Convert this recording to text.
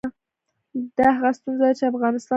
دا هغه ستونزه ده چې افغانستان ځان خلاص کړي.